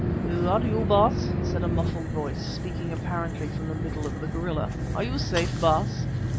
"Is that you, Baas?" said a muffled voice, speaking apparently from the middle of the gorilla. "Are you safe, Baas?"